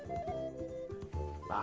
あ！